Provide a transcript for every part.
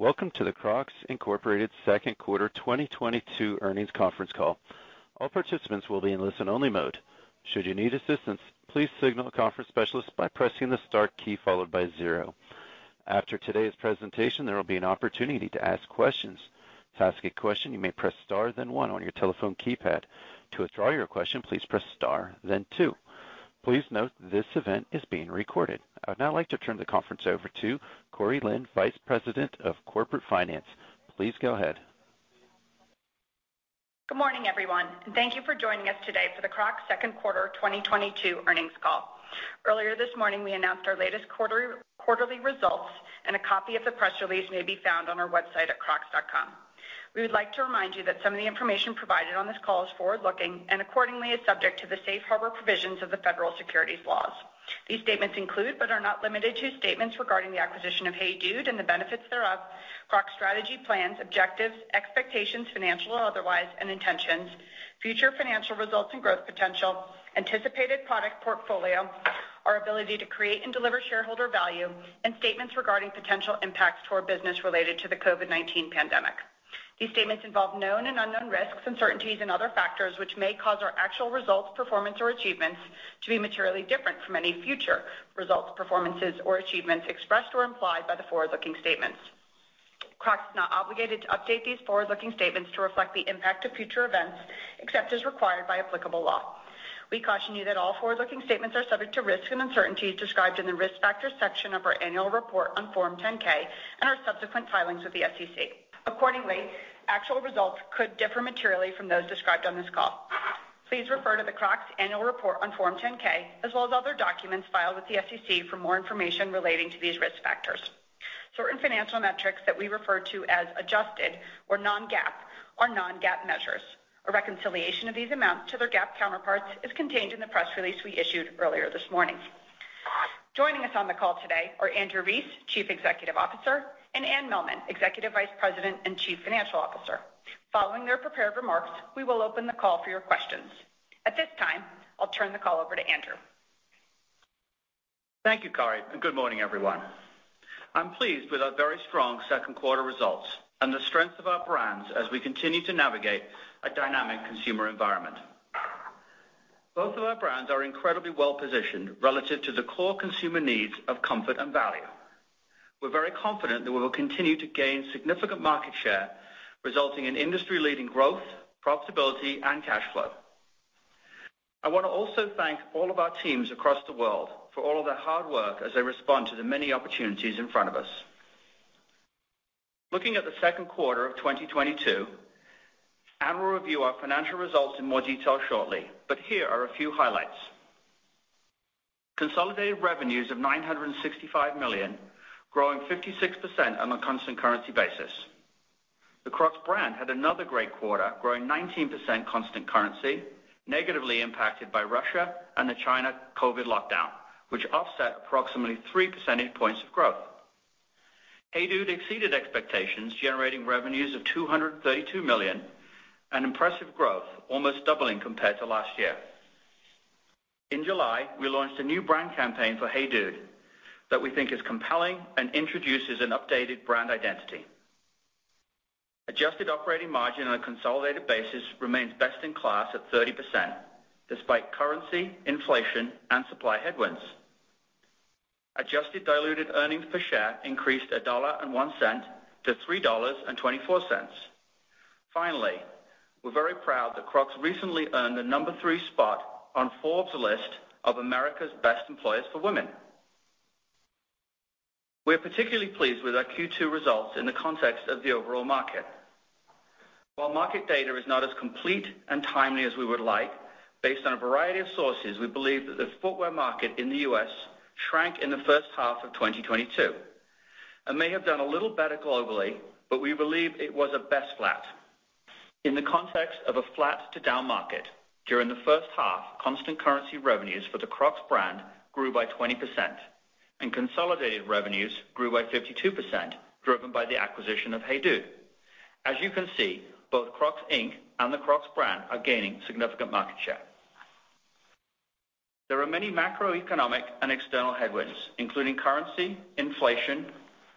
Welcome to the Crocs Incorporated second quarter 2022 earnings conference call. All participants will be in listen-only mode. Should you need assistance, please signal a conference specialist by pressing the star key followed by zero. After today's presentation, there will be an opportunity to ask questions. To ask a question, you may press star then one on your telephone keypad. To withdraw your question, please press star then two. Please note this event is being recorded. I would now like to turn the conference over to Corinne Lin, Vice President of Corporate Finance. Please go ahead. Good morning, everyone, and thank you for joining us today for the Crocs second quarter 2022 earnings call. Earlier this morning, we announced our latest quarterly results and a copy of the press release may be found on our website at crocs.com. We would like to remind you that some of the information provided on this call is forward-looking and accordingly is subject to the safe harbor provisions of the Federal Securities laws. These statements include, but are not limited to statements regarding the acquisition of HEYDUDE and the benefits thereof, Crocs strategy plans, objectives, expectations, financial or otherwise, and intentions, future financial results and growth potential, anticipated product portfolio, our ability to create and deliver shareholder value, and statements regarding potential impacts to our business related to the COVID-19 pandemic. These statements involve known and unknown risks, uncertainties, and other factors which may cause our actual results, performance, or achievements to be materially different from any future results, performances, or achievements expressed or implied by the forward-looking statements. Crocs is not obligated to update these forward-looking statements to reflect the impact of future events except as required by applicable law. We caution you that all forward-looking statements are subject to risks and uncertainties described in the Risk Factors section of our annual report on Form 10-K and our subsequent filings with the SEC. Accordingly, actual results could differ materially from those described on this call. Please refer to the Crocs annual report on Form 10-K, as well as other documents filed with the SEC for more information relating to these risk factors. Certain financial metrics that we refer to as adjusted or non-GAAP are non-GAAP measures. A reconciliation of these amounts to their GAAP counterparts is contained in the press release we issued earlier this morning. Joining us on the call today are Andrew Rees, Chief Executive Officer, and Anne Mehlman, Executive Vice President and Chief Financial Officer. Following their prepared remarks, we will open the call for your questions. At this time, I'll turn the call over to Andrew. Thank you, Corinne, and good morning, everyone. I'm pleased with our very strong second quarter results and the strength of our brands as we continue to navigate a dynamic consumer environment. Both of our brands are incredibly well-positioned relative to the core consumer needs of comfort and value. We're very confident that we will continue to gain significant market share, resulting in industry-leading growth, profitability, and cash flow. I wanna also thank all of our teams across the world for all of their hard work as they respond to the many opportunities in front of us. Looking at the second quarter of 2022, Anne will review our financial results in more detail shortly, but here are a few highlights. Consolidated revenues of $965 million, growing 56% on a constant currency basis. The Crocs brand had another great quarter, growing 19% constant currency, negatively impacted by Russia and the China COVID lockdown, which offset approximately 3 percentage points of growth. HEYDUDE exceeded expectations, generating revenues of $232 million, an impressive growth, almost doubling compared to last year. In July, we launched a new brand campaign for HEYDUDE that we think is compelling and introduces an updated brand identity. Adjusted operating margin on a consolidated basis remains best in class at 30% despite currency, inflation, and supply headwinds. Adjusted diluted earnings per share increased $1.01-$3.24. Finally, we're very proud that Crocs recently earned the number three spot on Forbes list of America's Best Employers for Women. We are particularly pleased with our Q2 results in the context of the overall market. While market data is not as complete and timely as we would like, based on a variety of sources, we believe that the footwear market in the U.S. shrank in the first half of 2022 and may have done a little better globally, but we believe it was at best flat. In the context of a flat to down market during the first half, constant currency revenues for the Crocs brand grew by 20% and consolidated revenues grew by 52%, driven by the acquisition of HEYDUDE. As you can see, both Crocs, Inc. and the Crocs brand are gaining significant market share. There are many macroeconomic and external headwinds, including currency, inflation,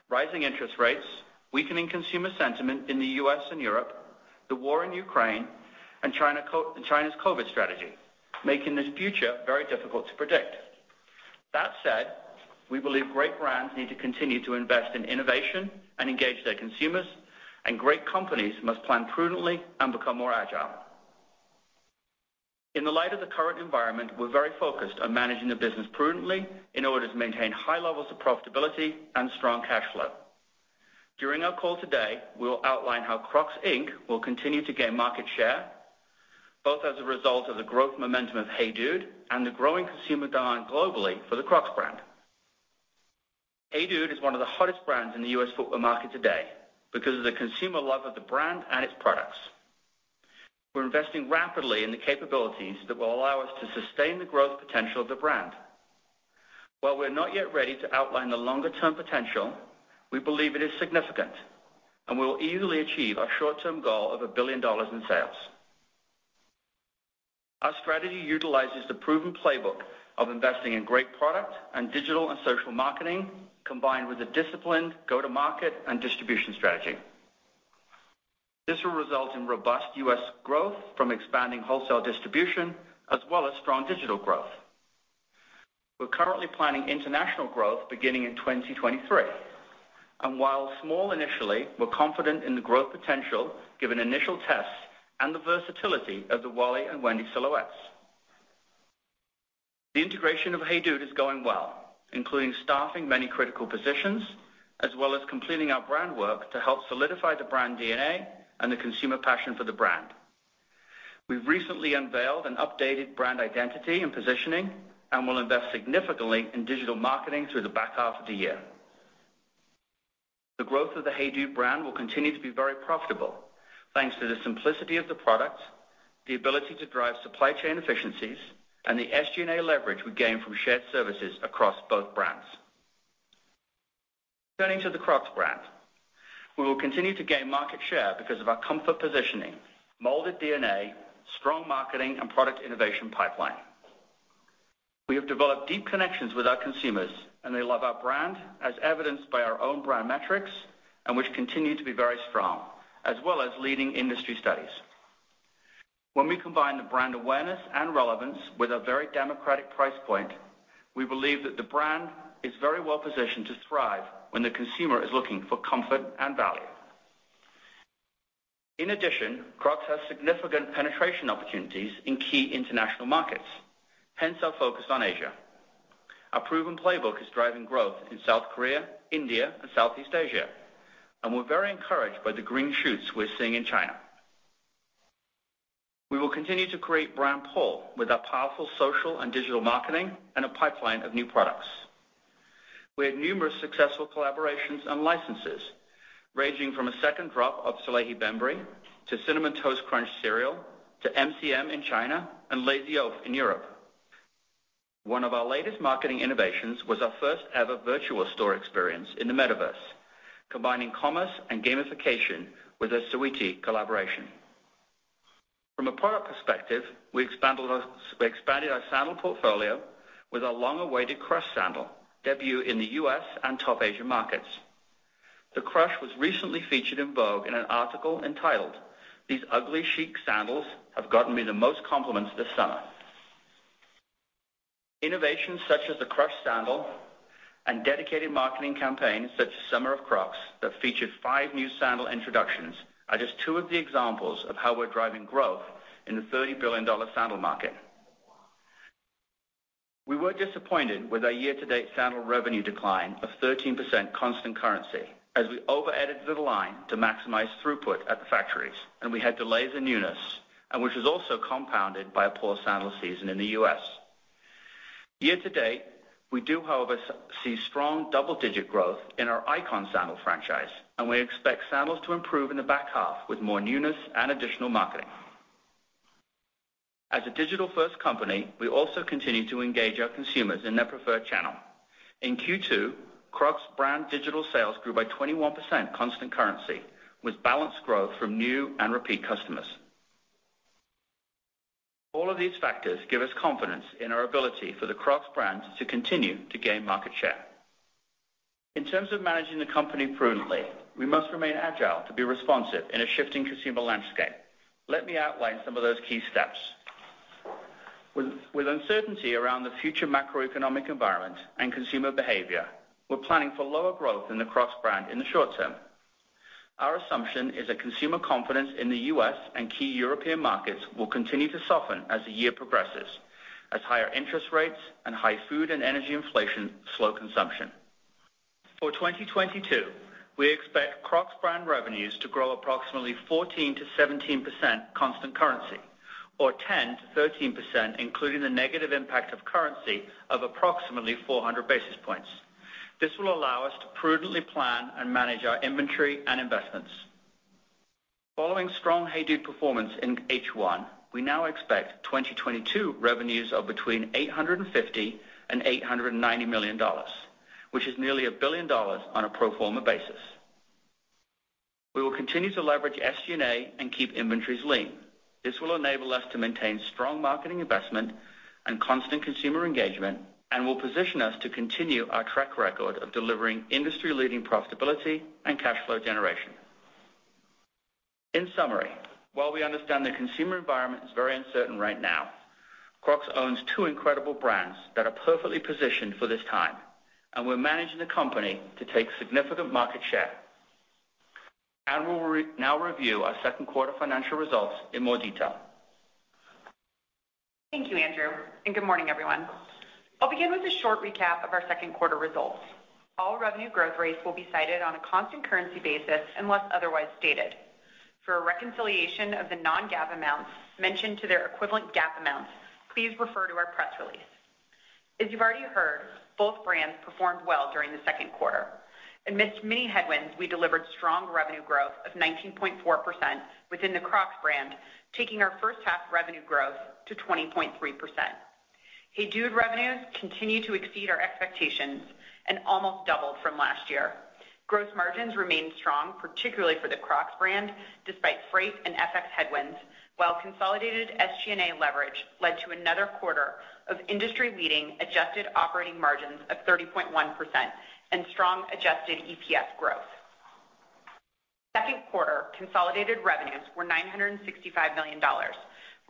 rising interest rates, weakening consumer sentiment in the U.S. and Europe, the war in Ukraine, and China's COVID strategy, making this future very difficult to predict. That said, we believe great brands need to continue to invest in innovation and engage their consumers, and great companies must plan prudently and become more agile. In the light of the current environment, we're very focused on managing the business prudently in order to maintain high levels of profitability and strong cash flow. During our call today, we will outline how Crocs, Inc. will continue to gain market share, both as a result of the growth momentum of HEYDUDE and the growing consumer demand globally for the Crocs brand. HEYDUDE is one of the hottest brands in the U.S. footwear market today because of the consumer love of the brand and its products. We're investing rapidly in the capabilities that will allow us to sustain the growth potential of the brand. While we're not yet ready to outline the longer-term potential, we believe it is significant, and we will easily achieve our short-term goal of $1 billion in sales. Our strategy utilizes the proven playbook of investing in great product and digital and social marketing, combined with a disciplined go-to-market and distribution strategy. This will result in robust U.S. growth from expanding wholesale distribution as well as strong digital growth. We're currently planning international growth beginning in 2023. While small initially, we're confident in the growth potential given initial tests and the versatility of the Wally and Wendy silhouettes. The integration of HEYDUDE is going well, including staffing many critical positions, as well as completing our brand work to help solidify the brand DNA and the consumer passion for the brand. We've recently unveiled an updated brand identity and positioning, and will invest significantly in digital marketing through the back half of the year. The growth of the HEYDUDE brand will continue to be very profitable thanks to the simplicity of the product, the ability to drive supply chain efficiencies, and the SG&A leverage we gain from shared services across both brands. Turning to the Crocs brand. We will continue to gain market share because of our comfort positioning, molded DNA, strong marketing and product innovation pipeline. We have developed deep connections with our consumers, and they love our brand as evidenced by our own brand metrics, and which continue to be very strong, as well as leading industry studies. When we combine the brand awareness and relevance with a very democratic price point, we believe that the brand is very well positioned to thrive when the consumer is looking for comfort and value. In addition, Crocs has significant penetration opportunities in key international markets, hence our focus on Asia. Our proven playbook is driving growth in South Korea, India, and Southeast Asia, and we're very encouraged by the green shoots we're seeing in China. We will continue to create brand pull with our powerful social and digital marketing and a pipeline of new products. We had numerous successful collaborations and licenses, ranging from a second drop of Salehe Bembury to Cinnamon Toast Crunch cereal to MCM in China and Lazy Oaf in Europe. One of our latest marketing innovations was our first ever virtual store experience in the Metaverse, combining commerce and gamification with a Saweetie collaboration. From a product perspective, we expanded our sandal portfolio with our long-awaited Crush Sandal debut in the U.S. and top Asia markets. The Crush was recently featured in Vogue in an article entitled "These Ugly Chic Sandals Have Gotten Me the Most Compliments This Summer." Innovations such as the Crush Sandal and dedicated marketing campaigns such as Summer of Crocs that featured five new sandal introductions are just two of the examples of how we're driving growth in the $30 billion sandal market. We were disappointed with our year to date sandal revenue decline of 13% constant currency as we over-edited the line to maximize throughput at the factories, and we had delays in newness, and which was also compounded by a poor sandal season in the U.S. Year to date, we do, however, see strong double-digit growth in our icon sandal franchise, and we expect sandals to improve in the back half with more newness and additional marketing. As a digital-first company, we also continue to engage our consumers in their preferred channel. In Q2, Crocs brand digital sales grew by 21% constant currency, with balanced growth from new and repeat customers. All of these factors give us confidence in our ability for the Crocs brand to continue to gain market share. In terms of managing the company prudently, we must remain agile to be responsive in a shifting consumer landscape. Let me outline some of those key steps. With uncertainty around the future macroeconomic environment and consumer behavior, we're planning for lower growth in the Crocs brand in the short term. Our assumption is that consumer confidence in the U.S. and key European markets will continue to soften as the year progresses, as higher interest rates and high food and energy inflation slow consumption. For 2022, we expect Crocs brand revenues to grow approximately 14%-17% constant currency or 10%-13%, including the negative impact of currency of approximately 400 basis points. This will allow us to prudently plan and manage our inventory and investments. Following strong HEYDUDE performance in H1, we now expect 2022 revenues of between $850 million and $890 million, which is nearly $1 billion on a pro forma basis. We will continue to leverage SG&A and keep inventories lean. This will enable us to maintain strong marketing investment and constant consumer engagement, and will position us to continue our track record of delivering industry-leading profitability and cash flow generation. In summary, while we understand the consumer environment is very uncertain right now, Crocs owns two incredible brands that are perfectly positioned for this time, and we're managing the company to take significant market share. We will now review our second quarter financial results in more detail. Thank you, Andrew, and good morning, everyone. I'll begin with a short recap of our second quarter results. All revenue growth rates will be cited on a constant currency basis unless otherwise stated. For a reconciliation of the non-GAAP amounts mentioned to their equivalent GAAP amounts, please refer to our press release. As you've already heard, both brands performed well during the second quarter. Amidst many headwinds, we delivered strong revenue growth of 19.4% within the Crocs brand, taking our first half revenue growth to 20.3%. HEYDUDE revenues continue to exceed our expectations and almost doubled from last year. Gross margins remained strong, particularly for the Crocs brand, despite freight and FX headwinds, while consolidated SG&A leverage led to another quarter of industry-leading adjusted operating margins of 30.1% and strong adjusted EPS growth. Second quarter consolidated revenues were $965 million,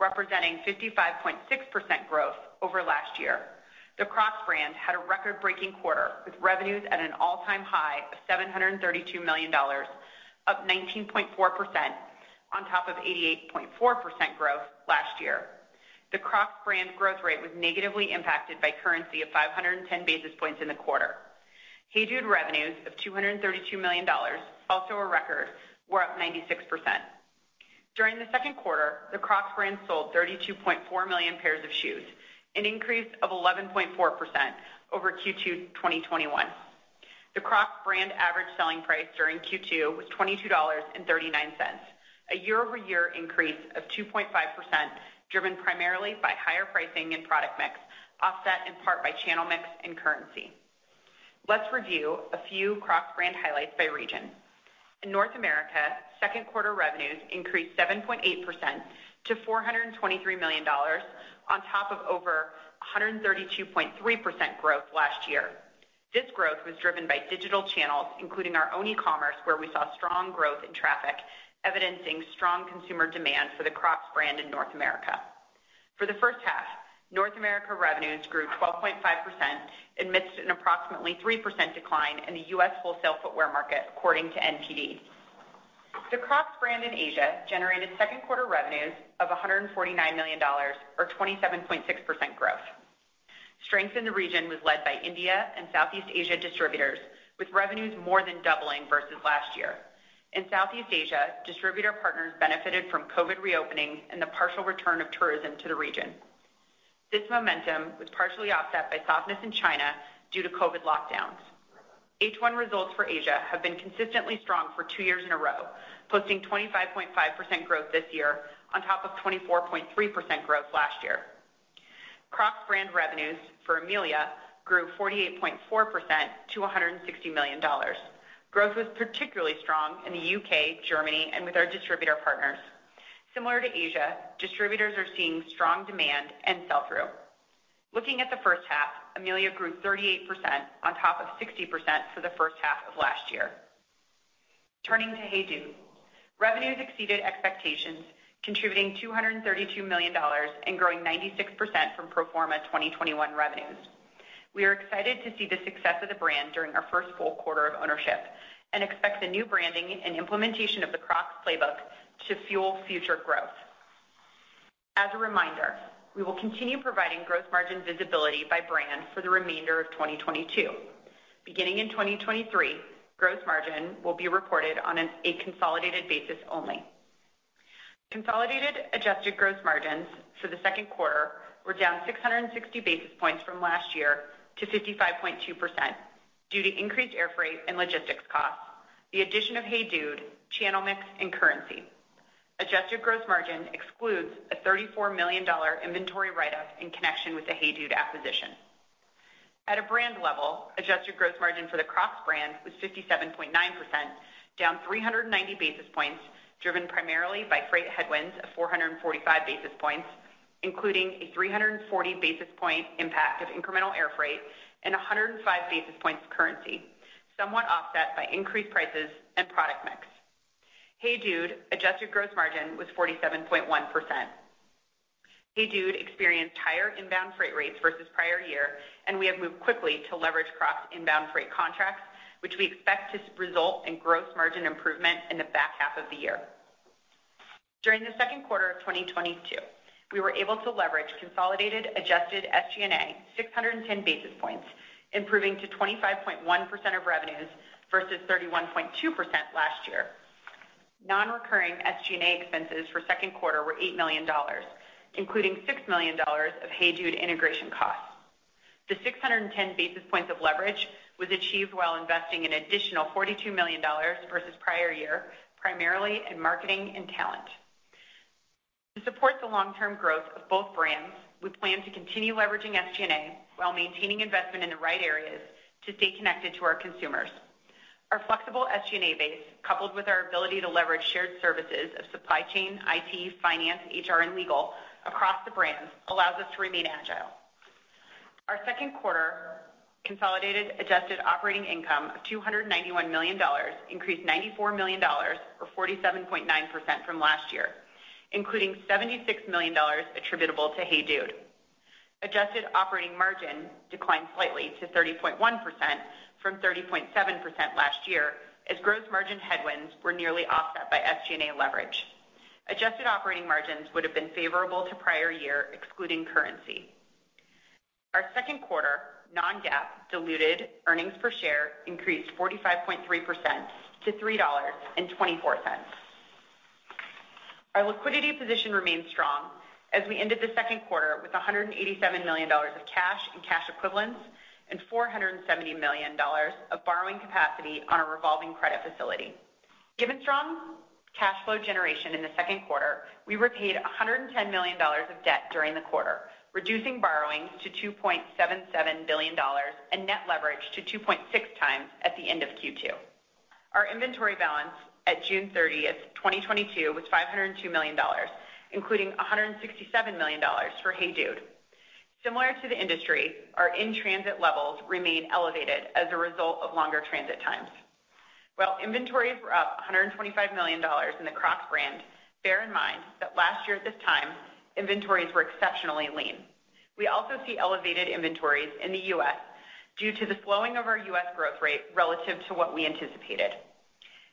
representing 55.6% growth over last year. The Crocs brand had a record-breaking quarter, with revenues at an all-time high of $732 million, up 19.4% on top of 88.4% growth last year. The Crocs brand growth rate was negatively impacted by currency of 510 basis points in the quarter. HEYDUDE revenues of $232 million, also a record, were up 96%. During the second quarter, the Crocs brand sold 32.4 million pairs of shoes, an increase of 11.4% over Q2 2021. The Crocs brand average selling price during Q2 was $22.39, a year-over-year increase of 2.5%, driven primarily by higher pricing and product mix, offset in part by channel mix and currency. Let's review a few Crocs brand highlights by region. In North America, second quarter revenues increased 7.8% to $423 million on top of over 132.3% growth last year. This growth was driven by digital channels, including our own e-commerce, where we saw strong growth in traffic, evidencing strong consumer demand for the Crocs brand in North America. For the first half, North America revenues grew 12.5% amidst an approximately 3% decline in the U.S. wholesale footwear market, according to NPD. The Crocs brand in Asia generated second quarter revenues of $149 million or 27.6% growth. Strength in the region was led by India and Southeast Asia distributors, with revenues more than doubling versus last year. In Southeast Asia, distributor partners benefited from COVID reopening and the partial return of tourism to the region. This momentum was partially offset by softness in China due to COVID lockdowns. H1 results for Asia have been consistently strong for two years in a row, posting 25.5% growth this year on top of 24.3% growth last year. Crocs brand revenues for EMEALA grew 48.4% to $160 million. Growth was particularly strong in the UK, Germany, and with our distributor partners. Similar to Asia, distributors are seeing strong demand and sell-through. Looking at the first half, EMEALA grew 38% on top of 60% for the first half of last year. Turning to HEYDUDE. Revenues exceeded expectations, contributing $232 million and growing 96% from pro forma 2021 revenues. We are excited to see the success of the brand during our first full quarter of ownership and expect the new branding and implementation of the Crocs playbook to fuel future growth. As a reminder, we will continue providing gross margin visibility by brand for the remainder of 2022. Beginning in 2023, gross margin will be reported on a consolidated basis only. Consolidated adjusted gross margins for the second quarter were down 660 basis points from last year to 55.2% due to increased air freight and logistics costs, the addition of HEYDUDE, channel mix, and currency. Adjusted gross margin excludes a $34 million inventory write-up in connection with the HEYDUDE acquisition. At a brand level, adjusted gross margin for the Crocs brand was 57.9%, down 390 basis points, driven primarily by freight headwinds of 445 basis points, including a 340 basis point impact of incremental air freight and 105 basis points currency, somewhat offset by increased prices and product mix. HEYDUDE adjusted gross margin was 47.1%. HEYDUDE experienced higher inbound freight rates versus prior year, and we have moved quickly to leverage Crocs inbound freight contracts, which we expect to result in gross margin improvement in the back half of the year. During the second quarter of 2022, we were able to leverage consolidated adjusted SG&A 610 basis points, improving to 25.1% of revenues versus 31.2% last year. Non-recurring SG&A expenses for second quarter were $8 million, including $6 million of HEYDUDE integration costs. The 610 basis points of leverage was achieved while investing an additional $42 million versus prior year, primarily in marketing and talent. To support the long-term growth of both brands, we plan to continue leveraging SG&A while maintaining investment in the right areas to stay connected to our consumers. Our flexible SG&A base, coupled with our ability to leverage shared services of supply chain, IT, finance, HR, and legal across the brands, allows us to remain agile. Our second quarter consolidated adjusted operating income of $291 million increased $94 million or 47.9% from last year, including $76 million attributable to HEYDUDE. Adjusted operating margin declined slightly to 30.1% from 30.7% last year as gross margin headwinds were nearly offset by SG&A leverage. Adjusted operating margins would have been favorable to prior year excluding currency. Our second quarter non-GAAP diluted earnings per share increased 45.3% to $3.24. Our liquidity position remains strong as we ended the second quarter with $187 million of cash and cash equivalents and $470 million of borrowing capacity on our revolving credit facility. Given strong cash flow generation in the second quarter, we repaid $110 million of debt during the quarter, reducing borrowings to $2.77 billion and net leverage to 2.6x at the end of Q2. Our inventory balance at June 30th, 2022 was $502 million, including $167 million for HEYDUDE. Similar to the industry, our in-transit levels remain elevated as a result of longer transit times. While inventories were up $125 million in the Crocs brand, bear in mind that last year at this time, inventories were exceptionally lean. We also see elevated inventories in the U.S. due to the slowing of our U.S. growth rate relative to what we anticipated.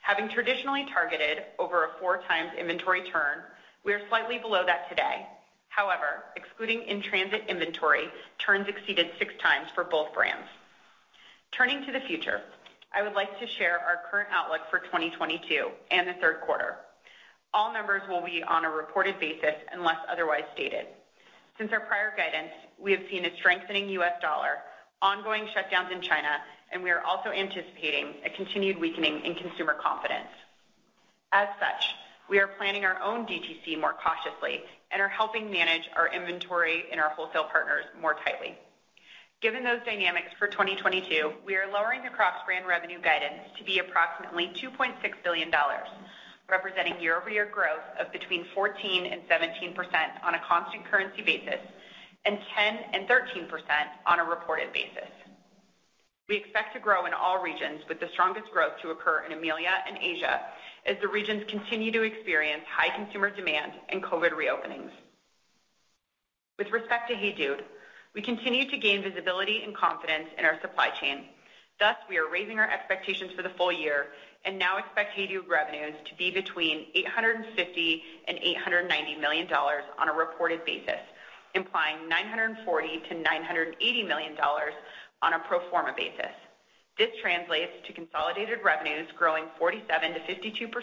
Having traditionally targeted over 4x inventory turn, we are slightly below that today. However, excluding in-transit inventory, turns exceeded 6x for both brands. Turning to the future, I would like to share our current outlook for 2022 and the third quarter. All numbers will be on a reported basis unless otherwise stated. Since our prior guidance, we have seen a strengthening U.S. dollar, ongoing shutdowns in China, and we are also anticipating a continued weakening in consumer confidence. As such, we are planning our own DTC more cautiously and are helping manage our inventory and our wholesale partners more tightly. Given those dynamics for 2022, we are lowering the Crocs brand revenue guidance to be approximately $2.6 billion, representing year-over-year growth of between 14% and 17% on a constant currency basis and 10% and 13% on a reported basis. We expect to grow in all regions with the strongest growth to occur in EMEALA and Asia as the regions continue to experience high consumer demand and COVID reopenings. With respect to HEYDUDE, we continue to gain visibility and confidence in our supply chain. Thus, we are raising our expectations for the full year and now expect HEYDUDE revenues to be between $850 million and $890 million on a reported basis, implying $940 million-$980 million on a pro forma basis. This translates to consolidated revenues growing 47%-52%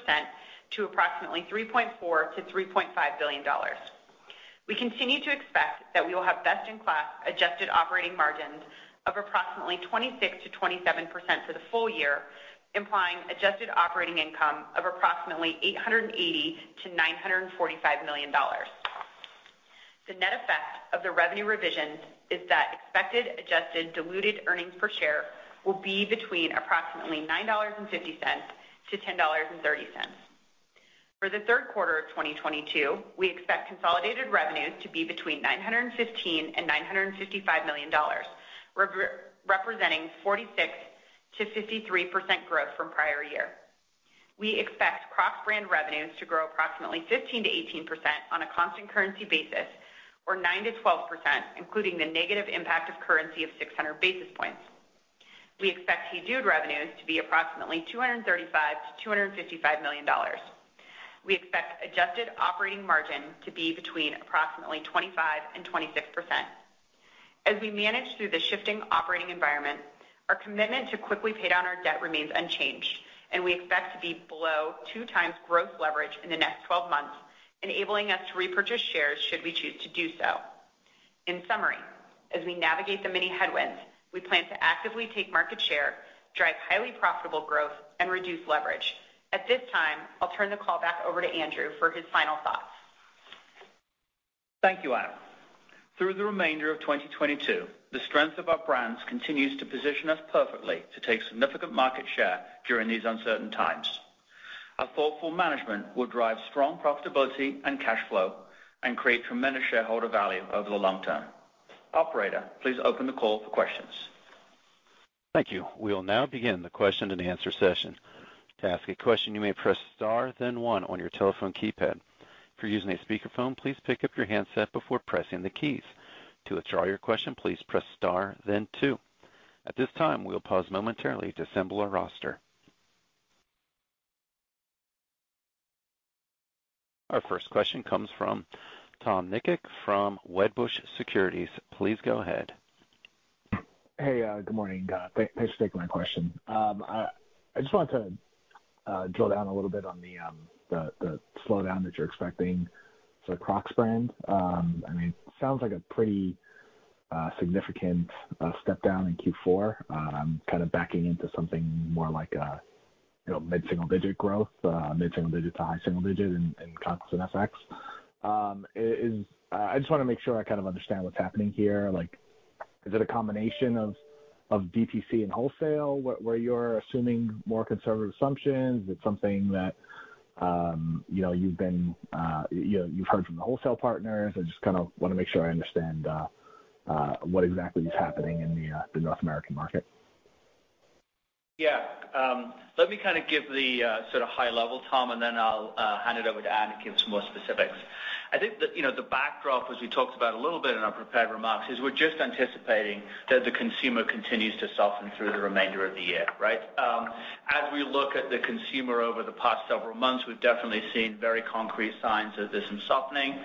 to approximately $3.4 billion-$3.5 billion. We continue to expect that we will have best-in-class adjusted operating margins of approximately 26%-27% for the full year, implying adjusted operating income of approximately $880 million-$945 million. The net effect of the revenue revisions is that expected adjusted diluted earnings per share will be between approximately $9.50-$10.30. For the third quarter of 2022, we expect consolidated revenues to be between $915 million-$955 million, representing 46%-53% growth from prior year. We expect Crocs brand revenues to grow approximately 15%-18% on a constant currency basis or 9%-12%, including the negative impact of currency of 600 basis points. We expect HEYDUDE revenues to be approximately $235 million-$255 million. We expect adjusted operating margin to be between approximately 25%-26%. As we manage through the shifting operating environment, our commitment to quickly pay down our debt remains unchanged, and we expect to be below 2x gross leverage in the next 12 months, enabling us to repurchase shares should we choose to do so. In summary, as we navigate the many headwinds, we plan to actively take market share, drive highly profitable growth, and reduce leverage. At this time, I'll turn the call back over to Andrew for his final thoughts. Thank you, Anne. Through the remainder of 2022, the strength of our brands continues to position us perfectly to take significant market share during these uncertain times. Our thoughtful management will drive strong profitability and cash flow and create tremendous shareholder value over the long term. Operator, please open the call for questions. Thank you. We will now begin the question and answer session. To ask a question, you may press star then one on your telephone keypad. If you're using a speakerphone, please pick up your handset before pressing the keys. To withdraw your question, please press star then two. At this time, we'll pause momentarily to assemble a roster. Our first question comes from Tom Nikic from Wedbush Securities. Please go ahead. Hey, good morning. Thanks for taking my question. I just wanted to drill down a little bit on the slowdown that you're expecting for Crocs brand. I mean, it sounds like a pretty significant step down in Q4. Kind of backing into something more like a, you know, mid-single digit growth, mid-single digit to high-single digit in constant FX. I just wanna make sure I kind of understand what's happening here. Like is it a combination of DTC and wholesale where you're assuming more conservative assumptions? It's something that, you know, you've heard from the wholesale partners? I just kinda wanna make sure I understand what exactly is happening in the North American market. Yeah. Let me kinda give the sorta high level, Tom, and then I'll hand it over to Anne to give some more specifics. I think the you know the backdrop, as we talked about a little bit in our prepared remarks, is we're just anticipating that the consumer continues to soften through the remainder of the year, right? As we look at the consumer over the past several months, we've definitely seen very concrete signs of this in softening.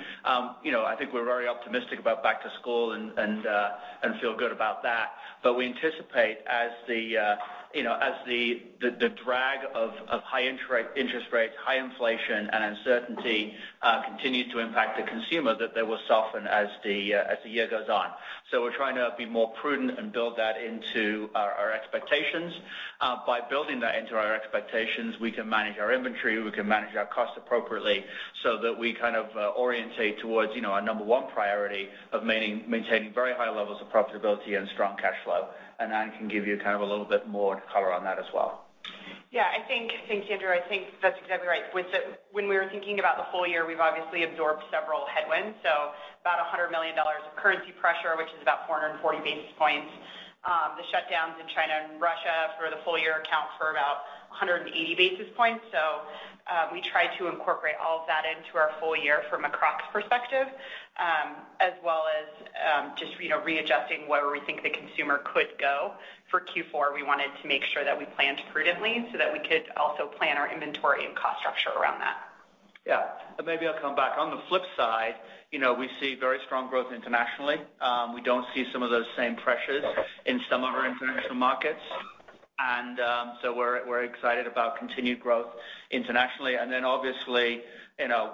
You know, I think we're very optimistic about back to school and feel good about that. We anticipate as the you know as the drag of high interest rates, high inflation and uncertainty continue to impact the consumer, that they will soften as the year goes on. We're trying to be more prudent and build that into our expectations. By building that into our expectations, we can manage our inventory, we can manage our cost appropriately so that we kind of orientate towards, you know, our number one priority of maintaining very high levels of profitability and strong cash flow. Anne can give you kind of a little bit more color on that as well. Yeah. I think. Thanks, Andrew. I think that's exactly right. When we were thinking about the whole year, we've obviously absorbed several headwinds, so about $100 million of currency pressure, which is about 440 basis points. The shutdowns in China and Russia for the full year account for about 180 basis points. We try to incorporate all of that into our full year from a Crocs perspective, as well as just, you know, readjusting where we think the consumer could go for Q4. We wanted to make sure that we planned prudently so that we could also plan our inventory and cost structure around that. Yeah. Maybe I'll come back. On the flip side, you know, we see very strong growth internationally. We don't see some of those same pressures in some of our international markets. We're excited about continued growth internationally. Obviously, you know,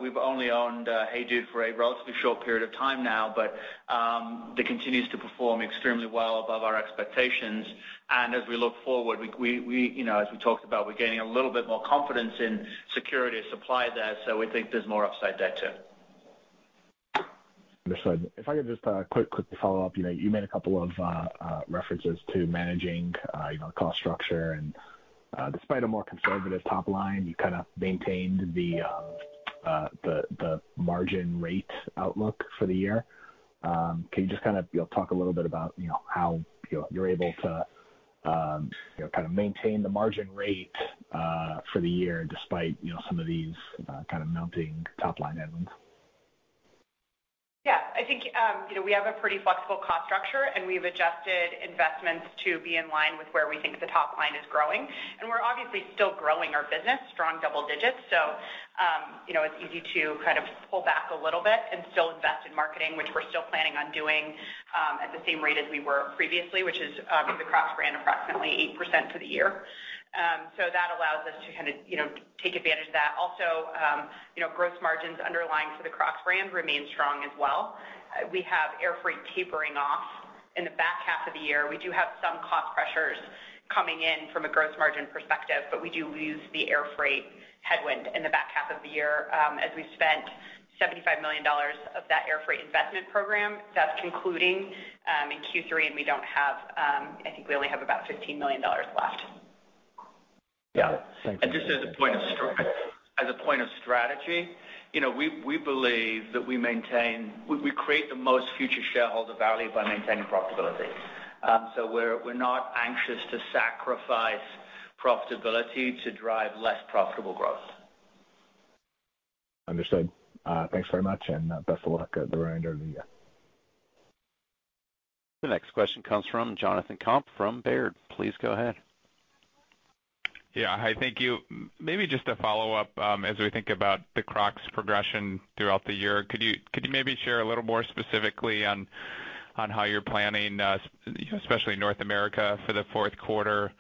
we've only owned HEYDUDE for a relatively short period of time now, but that continues to perform extremely well above our expectations. As we look forward, you know, as we talked about, we're gaining a little bit more confidence in security of supply there, so we think there's more upside there too. Understood. If I could just quickly follow up. You know, you made a couple of references to managing, you know, cost structure and, despite a more conservative top line, you kind of maintained the margin rate outlook for the year. Can you just kind of, you know, talk a little bit about, you know, how, you know, you're able to, you know, kind of maintain the margin rate for the year despite, you know, some of these kind of mounting top-line headwinds? Yeah. I think, you know, we have a pretty flexible cost structure, and we've adjusted investments to be in line with where we think the top line is growing. We're obviously still growing our business, strong double digits. It's easy to kind of pull back a little bit and still invest in marketing, which we're still planning on doing, at the same rate as we were previously, which is, for the Crocs brand, approximately 8% for the year. That allows us to kind of, you know, take advantage of that. Also, you know, gross margins underlying for the Crocs brand remain strong as well. We have air freight tapering off in the back half of the year. We do have some cost pressures coming in from a gross margin perspective, but we do lose the air freight headwind in the back half of the year, as we spent $75 million of that air freight investment program. That's concluding in Q3, and we don't have, I think we only have about $15 million left. Just as a point of strategy, you know, we believe that we create the most future shareholder value by maintaining profitability. We're not anxious to sacrifice profitability to drive less profitable growth. Understood. Thanks very much, and best of luck at the remainder of the year. The next question comes from Jonathan Komp from Baird. Please go ahead. Yeah. Hi, thank you. Maybe just a follow-up, as we think about the Crocs progression throughout the year. Could you maybe share a little more specifically on how you're planning, you know, especially in North America for the fourth quarter?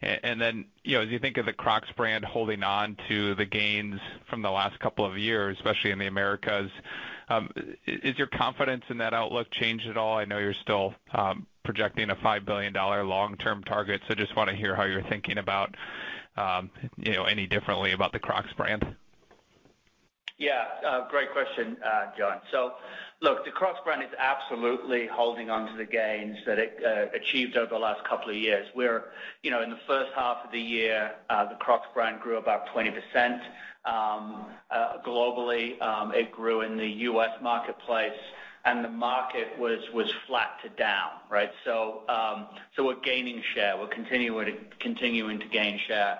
And then, you know, as you think of the Crocs brand holding on to the gains from the last couple of years, especially in the Americas, is your confidence in that outlook changed at all? I know you're still projecting a $5 billion long-term target, so just wanna hear how you're thinking about, you know, any differently about the Crocs brand. Yeah. Great question, Jon. So look, the Crocs brand is absolutely holding onto the gains that it achieved over the last couple of years. You know, in the first half of the year, the Crocs brand grew about 20% globally. It grew in the U.S. marketplace, and the market was flat to down, right? So we're gaining share. We're continuing to gain share.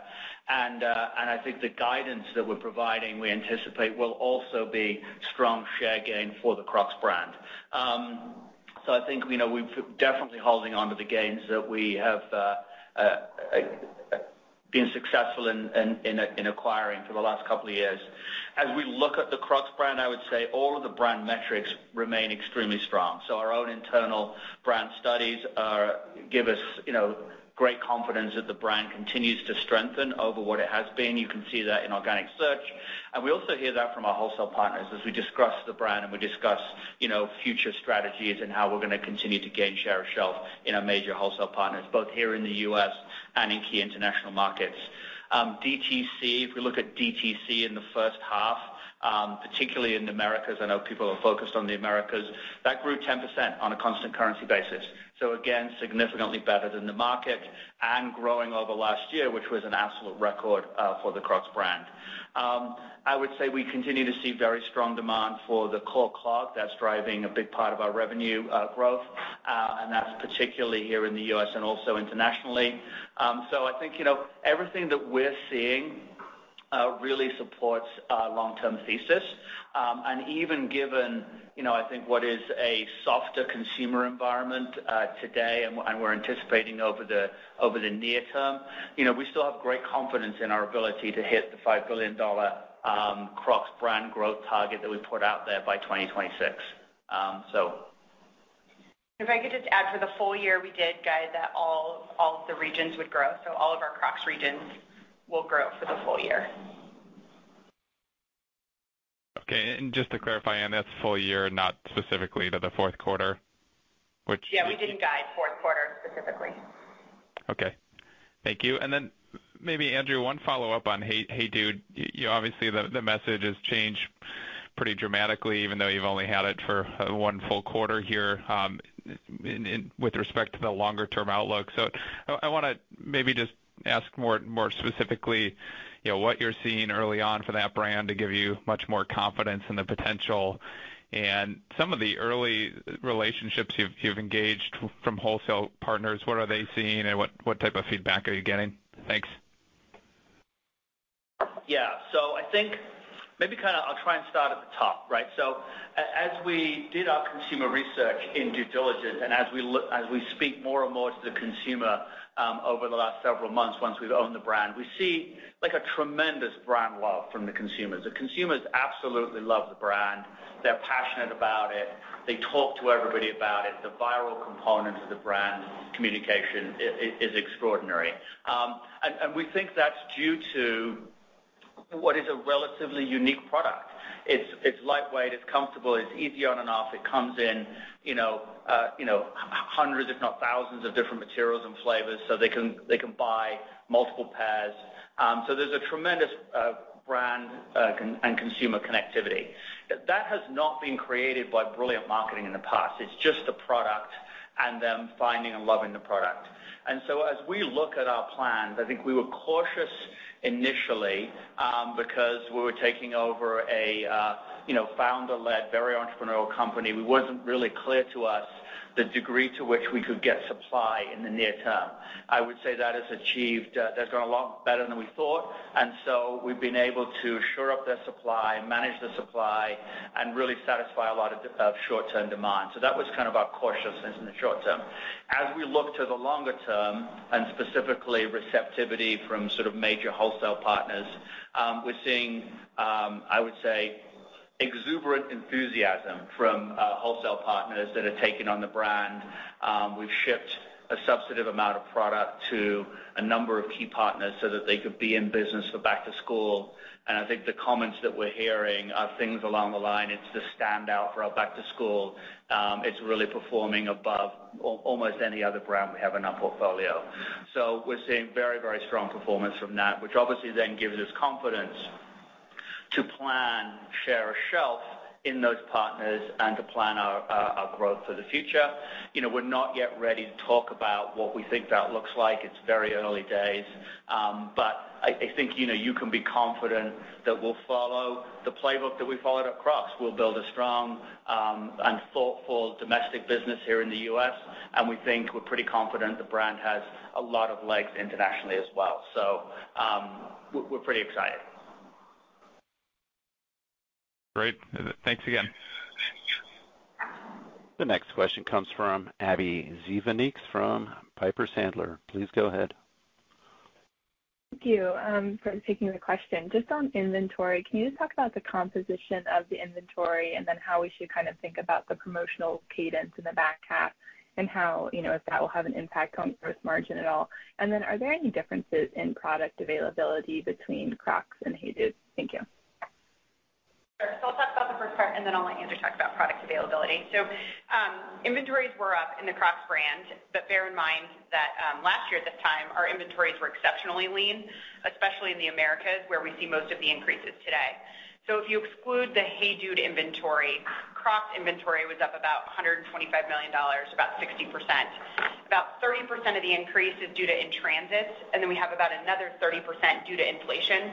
And I think the guidance that we're providing, we anticipate will also be strong share gain for the Crocs brand. So I think, you know, definitely holding onto the gains that we have been successful in acquiring for the last couple of years. As we look at the Crocs brand, I would say all of the brand metrics remain extremely strong. Our own internal brand studies give us, you know, great confidence that the brand continues to strengthen over what it has been. You can see that in organic search. We also hear that from our wholesale partners as we discuss the brand and we discuss, you know, future strategies and how we're gonna continue to gain share of shelf in our major wholesale partners, both here in the U.S. and in key international markets. DTC, if we look at DTC in the first half, particularly in the Americas, I know people are focused on the Americas, that grew 10% on a constant currency basis. Again, significantly better than the market and growing over last year, which was an absolute record for the Crocs brand. I would say we continue to see very strong demand for the core clog that's driving a big part of our revenue growth, and that's particularly here in the U.S. and also internationally. I think, you know, everything that we're seeing really supports our long-term thesis. Even given, you know, I think what is a softer consumer environment today and we're anticipating over the near term, you know, we still have great confidence in our ability to hit the $5 billion Crocs brand growth target that we put out there by 2026. If I could just add. For the full year, we did guide that all of the regions would grow, so all of our Crocs regions will grow for the full year. Okay. Just to clarify, that's full year, not specifically to the fourth quarter, which- Yeah, we didn't guide fourth quarter specifically. Okay. Thank you. Maybe Andrew, one follow-up on HEYDUDE. You know, obviously, the message has changed pretty dramatically, even though you've only had it for one full quarter here with respect to the longer-term outlook. I wanna maybe just ask more specifically, you know, what you're seeing early on for that brand to give you much more confidence in the potential and some of the early relationships you've engaged with wholesale partners. What are they seeing and what type of feedback are you getting? Thanks. Yeah. I think maybe kinda I'll try and start at the top, right? As we did our consumer research in due diligence, and as we speak more and more to the consumer over the last several months once we've owned the brand. We see, like, a tremendous brand love from the consumers. The consumers absolutely love the brand. They're passionate about it. They talk to everybody about it. The viral component of the brand communication is extraordinary. And we think that's due to what is a relatively unique product. It's lightweight, it's comfortable, it's easy on and off. It comes in, you know, you know, hundreds if not thousands of different materials and flavors, so they can buy multiple pairs. So there's a tremendous brand and consumer connectivity. That has not been created by brilliant marketing in the past. It's just the product and them finding and loving the product. As we look at our plans, I think we were cautious initially, because we were taking over a, you know, founder-led, very entrepreneurial company. It wasn't really clear to us the degree to which we could get supply in the near term. I would say that is achieved. That's gone a lot better than we thought. We've been able to shore up their supply, manage their supply, and really satisfy a lot of short-term demand. That was kind of our cautiousness in the short term. As we look to the longer term and specifically receptivity from sort of major wholesale partners, we're seeing, I would say exuberant enthusiasm from, wholesale partners that have taken on the brand. We've shipped a substantive amount of product to a number of key partners so that they could be in business for back to school. I think the comments that we're hearing are things along the line, it's the standout for our back to school. It's really performing above almost any other brand we have in our portfolio. We're seeing very, very strong performance from that, which obviously then gives us confidence to plan share of shelf in those partners and to plan our growth for the future. You know, we're not yet ready to talk about what we think that looks like. It's very early days. I think, you know, you can be confident that we'll follow the playbook that we followed at Crocs. We'll build a strong and thoughtful domestic business here in the U.S., and we think we're pretty confident the brand has a lot of legs internationally as well. We're pretty excited. Great. Thanks again. The next question comes from Abbie Zvejnieks from Piper Sandler. Please go ahead. Thank you for taking the question. Just on inventory, can you just talk about the composition of the inventory and then how we should kind of think about the promotional cadence in the back half and how, you know, if that will have an impact on gross margin at all? Then are there any differences in product availability between Crocs and HEYDUDE? Thank you. Sure. I'll talk about the first part, and then I'll let Andrew talk about product availability. Inventories were up in the Crocs brand, but bear in mind that last year at this time, our inventories were exceptionally lean, especially in the Americas, where we see most of the increases today. If you exclude the HEYDUDE inventory, Crocs inventory was up about $125 million, about 60%. About 30% of the increase is due to in transits, and then we have about another 30% due to inflation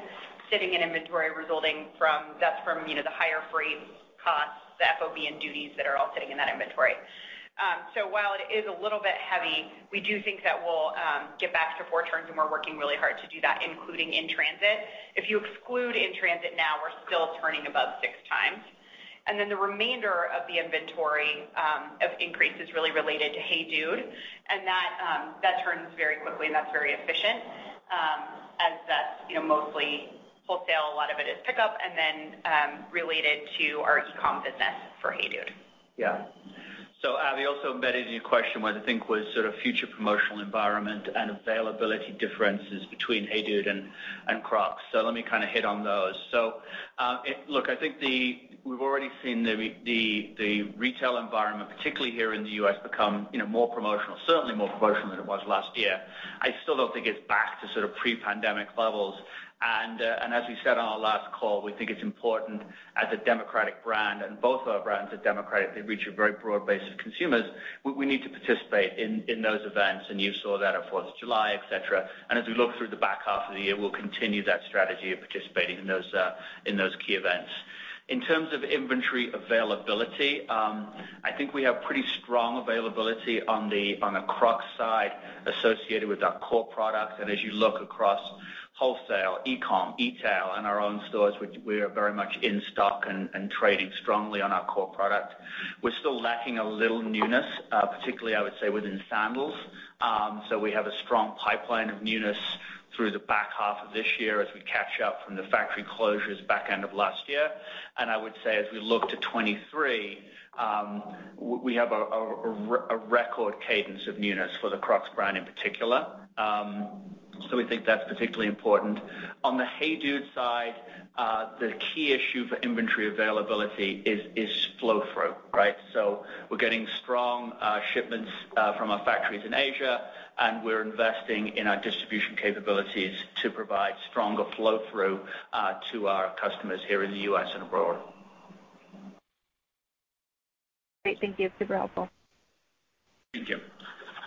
sitting in inventory resulting from that, you know, the higher freight costs, the FOB and duties that are all sitting in that inventory. While it is a little bit heavy, we do think that we'll get back to four turns, and we're working really hard to do that, including in transit. If you exclude in transit now, we're still turning above six times. The remainder of the inventory of increase is really related to HEYDUDE, and that turns very quickly and that's very efficient, as that's, you know, mostly wholesale, a lot of it is pickup and then related to our e-com business for HEYDUDE. Yeah. Abbie, also embedded in your question was, I think, sort of future promotional environment and availability differences between HEYDUDE and Crocs. Let me kinda hit on those. Look, I think we've already seen the retail environment, particularly here in the U.S., become, you know, more promotional, certainly more promotional than it was last year. I still don't think it's back to sort of pre-pandemic levels. As we said on our last call, we think it's important as a democratic brand, and both of our brands are democratic. They reach a very broad base of consumers. We need to participate in those events, and you saw that at 4th of July, et cetera. As we look through the back half of the year, we'll continue that strategy of participating in those key events. In terms of inventory availability, I think we have pretty strong availability on the Crocs side associated with our core products. As you look across wholesale, e-com, e-tail, and our own stores, we're very much in stock and trading strongly on our core product. We're still lacking a little newness, particularly I would say within sandals. We have a strong pipeline of newness through the back half of this year as we catch up from the factory closures back end of last year. I would say as we look to 2023, we have a record cadence of newness for the Crocs brand in particular. We think that's particularly important. On the HEYDUDE side, the key issue for inventory availability is flow-through, right? We're getting strong shipments from our factories in Asia, and we're investing in our distribution capabilities to provide stronger flow-through to our customers here in the U.S. and abroad. Great. Thank you. Super helpful. Thank you.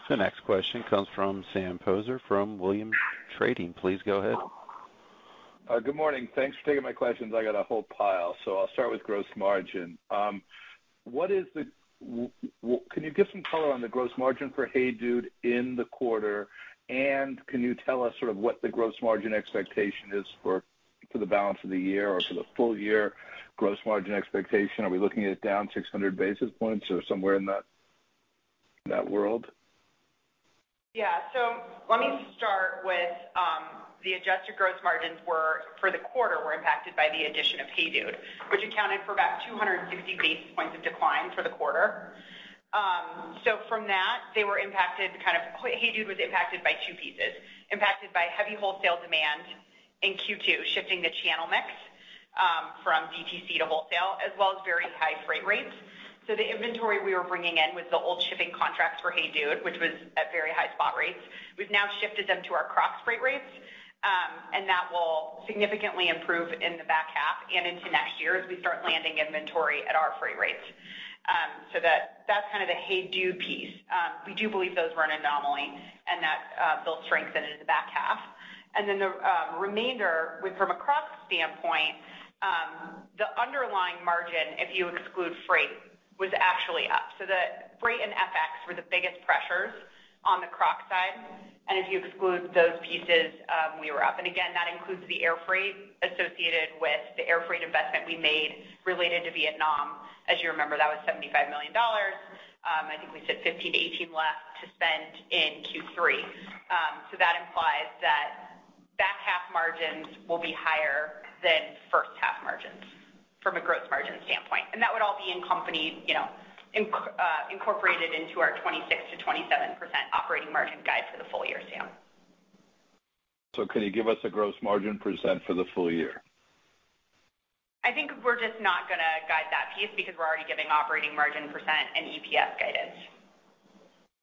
The next question comes from Sam Poser from Williams Trading. Please go ahead. Good morning. Thanks for taking my questions. I got a whole pile, so I'll start with gross margin. What can you give some color on the gross margin for HEYDUDE in the quarter? And can you tell us sort of what the gross margin expectation is for the balance of the year or for the full year gross margin expectation? Are we looking at it down 600 basis points or somewhere in that world? Yeah. Let me start with the adjusted gross margins were for the quarter were impacted by the addition of HEYDUDE, which accounted for about 260 basis points of decline for the quarter. From that, they were impacted. HEYDUDE was impacted by two pieces. Impacted by heavy wholesale demand in Q2, shifting the channel mix from DTC to wholesale, as well as very high freight rates. The inventory we were bringing in was the old shipping contracts for HEYDUDE, which was at very high spot rates. We've now shifted them to our Crocs freight rates, and that will significantly improve in the back half and into next year as we start landing inventory at our freight rates. That's kind of the HEYDUDE piece. We do believe those were an anomaly and that they'll strengthen in the back half. The remainder from a Crocs standpoint, the underlying margin, if you exclude freight, was actually up. The freight and FX were the biggest pressures on the Crocs side. If you exclude those pieces, we were up. That includes the airfreight associated with the airfreight investment we made related to Vietnam. As you remember, that was $75 million. I think we said $15 million-$18 million left to spend in Q3. That implies that back half margins will be higher than first half margins from a gross margin standpoint. That would all be in company, you know, incorporated into our 26%-27% operating margin guide for the full year, Sam. Can you give us a gross margin percent for the full year? I think we're just not gonna guide that piece because we're already giving operating margin percent and EPS guidance.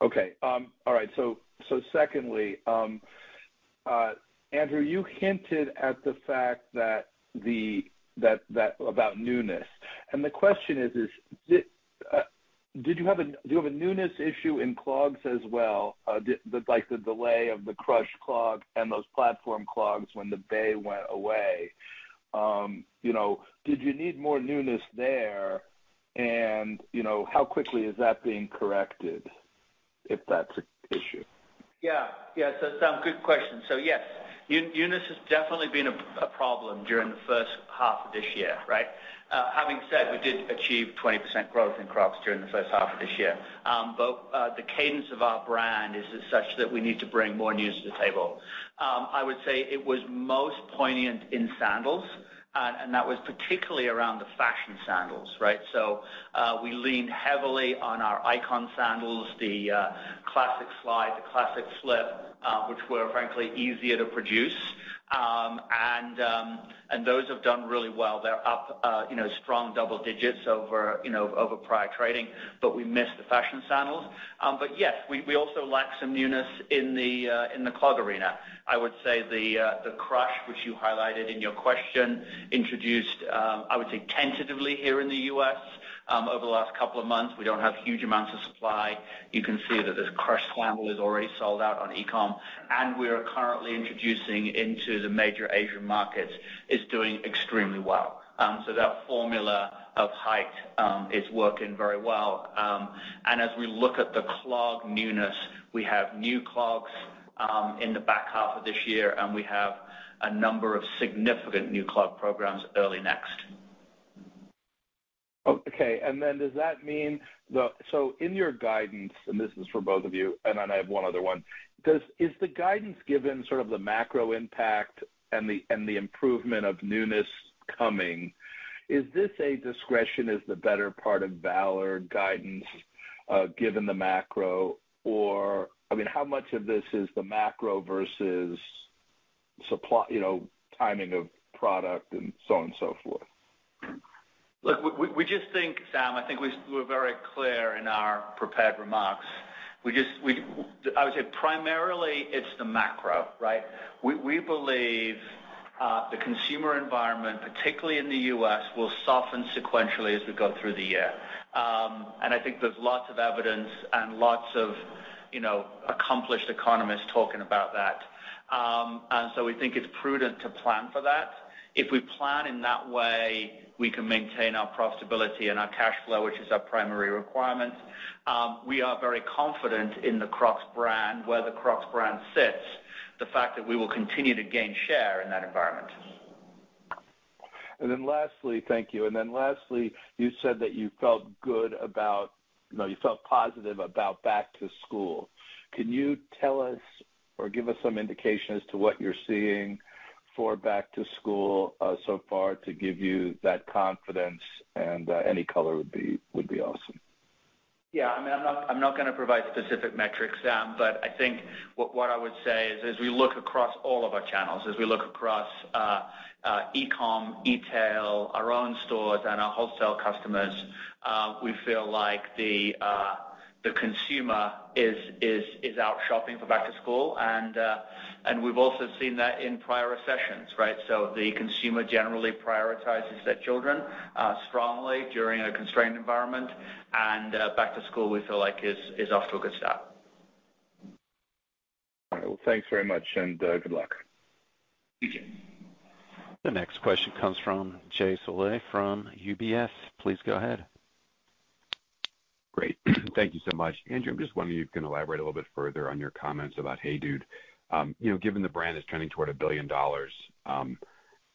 Okay. All right. Secondly, Andrew, you hinted at the fact that about newness. The question is, do you have a newness issue in clogs as well? Like the delay of the Crush Clog and those platform clogs when the wave went away. You know, did you need more newness there? You know, how quickly is that being corrected, if that's an issue? Yeah. Yeah. Sam, good question. Yes, newness has definitely been a problem during the first half of this year, right? Having said, we did achieve 20% growth in Crocs during the first half of this year. But the cadence of our brand is such that we need to bring more news to the table. I would say it was most poignant in sandals, and that was particularly around the fashion sandals, right? We leaned heavily on our icon sandals, the classic slide, the classic slip, which were frankly easier to produce. And those have done really well. They're up, you know, strong double digits over, you know, over prior trading, but we missed the fashion sandals. But yes, we also lack some newness in the clog arena. I would say the Crush, which you highlighted in your question, introduced, I would say tentatively here in the U.S., over the last couple of months. We don't have huge amounts of supply. You can see that this Crush Sandal is already sold out on e-com, and we are currently introducing into the major Asian markets, is doing extremely well. That formula of height is working very well. As we look at the clog newness, we have new clogs in the back half of this year, and we have a number of significant new clog programs early next. Does that mean in your guidance, and this is for both of you, and I have one other one. Is the guidance given sort of the macro impact and the improvement of newness coming? Is this discretion is the better part of valor guidance, given the macro? Or, I mean, how much of this is the macro versus supply, you know, timing of product and so on and so forth? Look, we just think, Sam, I think we're very clear in our prepared remarks. I would say primarily it's the macro, right? We believe the consumer environment, particularly in the U.S., will soften sequentially as we go through the year. I think there's lots of evidence and lots of, you know, accomplished economists talking about that. We think it's prudent to plan for that. If we plan in that way, we can maintain our profitability and our cash flow, which is our primary requirements. We are very confident in the Crocs brand, where the Crocs brand sits, the fact that we will continue to gain share in that environment. Thank you, and then lastly. You said that you felt positive about back to school. Can you tell us or give us some indication as to what you're seeing for back to school so far to give you that confidence? Any color would be awesome. Yeah, I mean, I'm not gonna provide specific metrics, Sam, but I think what I would say is as we look across all of our channels, as we look across e-com, e-tail, our own stores and our wholesale customers, we feel like the consumer is out shopping for back to school. We've also seen that in prior recessions, right? The consumer generally prioritizes their children strongly during a constrained environment. Back to school, we feel like is off to a good start. All right. Well, thanks very much, and good luck. Thank you. The next question comes from Jay Sole from UBS. Please go ahead. Great. Thank you so much. Andrew, I'm just wondering if you can elaborate a little bit further on your comments about HEYDUDE. You know, given the brand is trending toward $1 billion,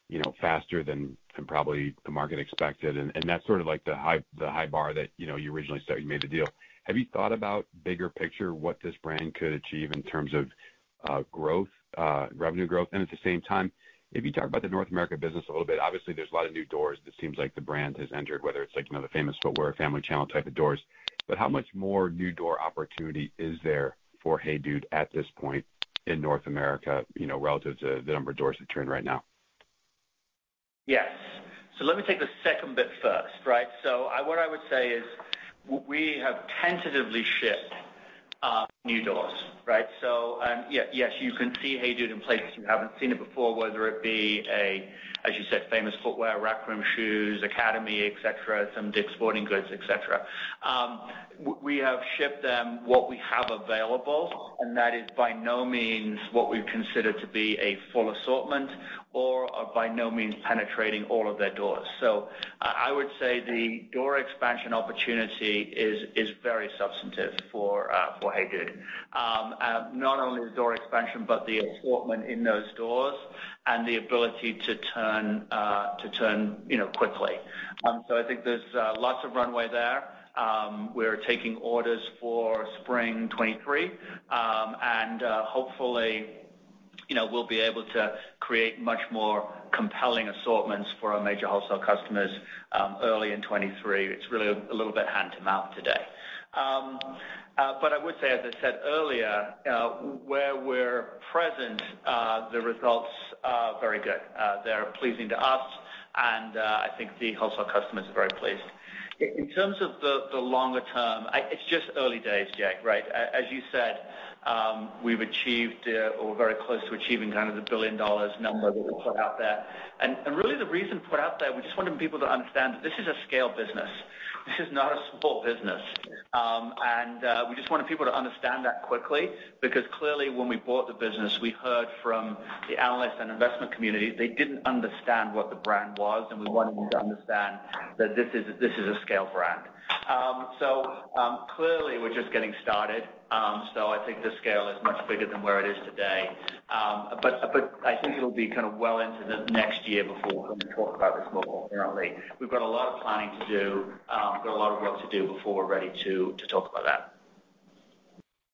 you know, faster than probably the market expected, and that's sort of like the high bar that you know, you originally set when you made the deal. Have you thought about bigger picture, what this brand could achieve in terms of growth, revenue growth? At the same time, maybe talk about the North America business a little bit. Obviously, there's a lot of new doors that seems like the brand has entered, whether it's like, you know, the Famous Footwear, Family Channel type of doors. How much more new door opportunity is there for HEYDUDE at this point in North America, you know, relative to the number of doors that we're at right now? Let me take the second bit first, right? What I would say is we have tentatively shipped new doors, right? Yes, you can see HEYDUDE in places you haven't seen it before, whether it be a, as you said, Famous Footwear, Rack Room Shoes, Academy, et cetera, some Dick's Sporting Goods, et cetera. We have shipped them what we have available, and that is by no means what we consider to be a full assortment or by no means penetrating all of their doors. I would say the door expansion opportunity is very substantive for HEYDUDE. Not only the door expansion, but the assortment in those doors and the ability to turn, you know, quickly. I think there's lots of runway there. We're taking orders for spring 2023. Hopefully, you know, we'll be able to create much more compelling assortments for our major wholesale customers early in 2023. It's really a little bit hand to mouth today. I would say, as I said earlier, where we're present, the results are very good. They're pleasing to us, and I think the wholesale customers are very pleased. In terms of the longer term, it's just early days, Jay, right? As you said, we've achieved or we're very close to achieving kind of the $1 billion number that we put out there. Really the reason put out there, we just wanted people to understand that this is a scale business. This is not a small business. We just wanted people to understand that quickly because clearly, when we bought the business, we heard from the analysts and investment community. They didn't understand what the brand was, and we wanted them to understand that this is a scale brand. Clearly we're just getting started. I think the scale is much bigger than where it is today. But I think it'll be kind of well into the next year before we can talk about this more apparently. We've got a lot of planning to do, got a lot of work to do before we're ready to talk about that.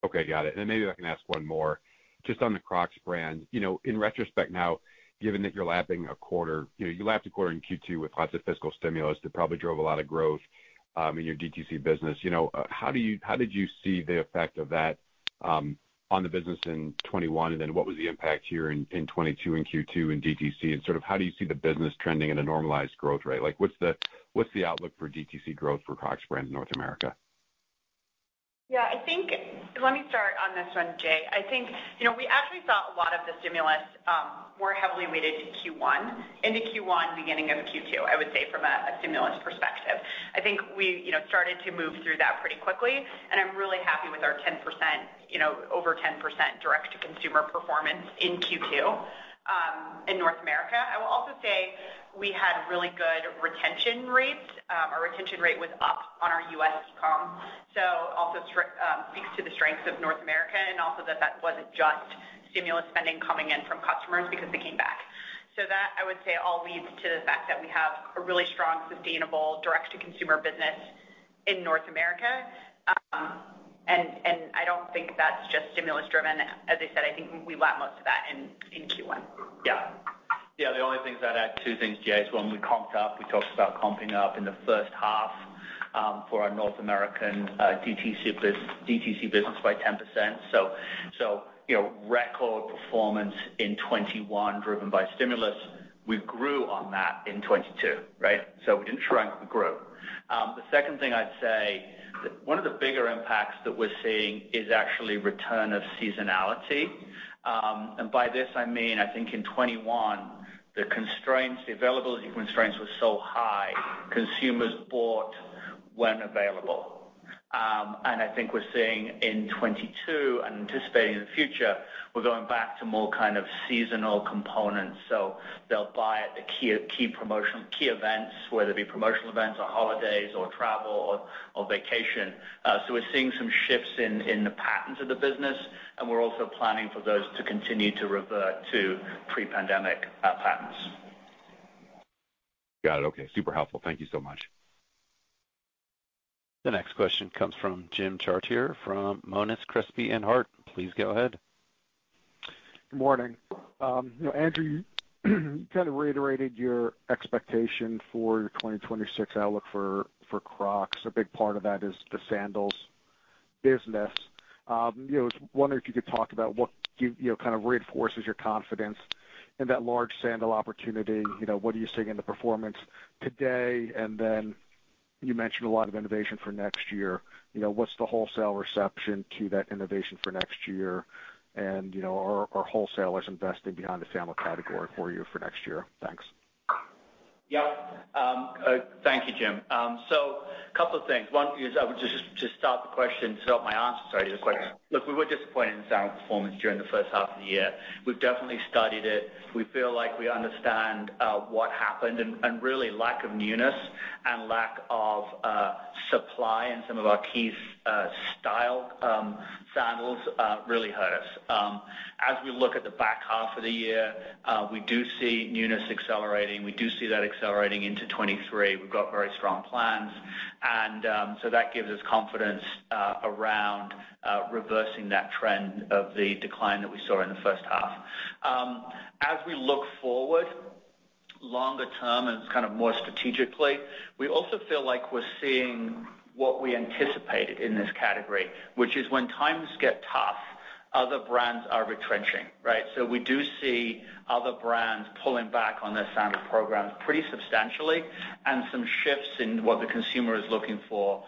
Okay. Got it. Maybe I can ask one more. Just on the Crocs brand. You know, in retrospect now, given that you're lapping a quarter, you know, you lapped a quarter in Q2 with lots of fiscal stimulus that probably drove a lot of growth in your DTC business. You know, how did you see the effect of that on the business in 2021? Then what was the impact here in 2022 in Q2 in DTC? Sort of how do you see the business trending at a normalized growth rate? Like, what's the outlook for DTC growth for Crocs brand North America? I think let me start on this one, Jay. I think, you know, we actually saw a lot of the stimulus more heavily weighted to Q1, beginning of Q2, I would say, from a stimulus perspective. I think we, you know, started to move through that pretty quickly, and I'm really happy with our 10%, you know, over 10% direct-to-consumer performance in Q2 in North America. I will also say we had really good retention rates. Our retention rate was up on our U.S. e-com. Also speaks to the strengths of North America and also that that wasn't just stimulus spending coming in from customers because they came back. That, I would say, all leads to the fact that we have a really strong, sustainable direct-to-consumer business in North America. I don't think that's just stimulus driven. As I said, I think we lapped most of that in Q1. Yeah, the only things I'd add, two things, Jay, is one, we comped up. We talked about comping up in the first half, for our North American DTC business by 10%. You know, record performance in 2021 driven by stimulus. We grew on that in 2022, right? We didn't shrink, we grew. The second thing I'd say, one of the bigger impacts that we're seeing is actually return of seasonality. By this I mean, I think in 2021, the constraints, the availability constraints were so high, consumers bought when available. I think we're seeing in 2022 and anticipating in the future, we're going back to more kind of seasonal components. They'll buy at the key promotional events, whether it be promotional events or holidays or travel or vacation. We're seeing some shifts in the patterns of the business, and we're also planning for those to continue to revert to pre-pandemic patterns. Got it. Okay. Super helpful. Thank you so much. The next question comes from Jim Chartier from Monness, Crespi, Hardt. Please go ahead. Good morning. You know, Andrew, you kind of reiterated your expectation for your 2026 outlook for Crocs. A big part of that is the sandals business. You know, I was wondering if you could talk about what you know, kind of reinforces your confidence in that large sandal opportunity. You know, what are you seeing in the performance today? You mentioned a lot of innovation for next year. You know, what's the wholesale reception to that innovation for next year? You know, are wholesalers investing behind the sandal category for you for next year? Thanks. Yeah. Thank you, Jim. Couple of things. One is I would just start the question to help my answer to the question. Look, we were disappointed in sandal performance during the first half of the year. We've definitely studied it. We feel like we understand what happened and really lack of newness and lack of supply in some of our key style sandals really hurt us. As we look at the back half of the year, we do see newness accelerating. We do see that accelerating into 2023. We've got very strong plans and that gives us confidence around reversing that trend of the decline that we saw in the first half. As we look forward longer term and kind of more strategically, we also feel like we're seeing what we anticipated in this category, which is when times get tough, other brands are retrenching, right? We do see other brands pulling back on their sandal programs pretty substantially and some shifts in what the consumer is looking for